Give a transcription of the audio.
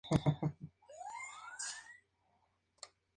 Así actualmente compite en División de Honor Plata Femenina.